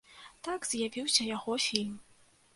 Так з'явіўся яго фільм.